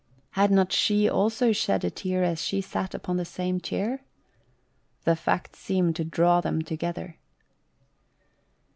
Had not she also shed a tear as she sat upon the same chair? The fact seemed to draw them together.